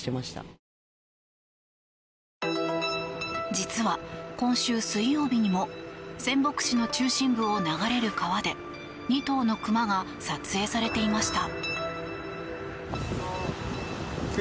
実は、今週水曜日にも仙北市の中心部を流れる川で２頭のクマが撮影されていました。